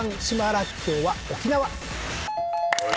らっきょうは沖縄。